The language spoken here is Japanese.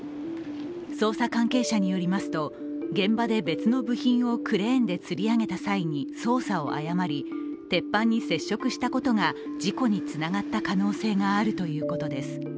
捜査関係者によりますと現場で別の部品をクレーンでつり上げた際に操作を誤り、鉄板に接触したことが事故につながった可能性があるということです。